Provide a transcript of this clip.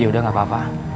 yaudah gak apa apa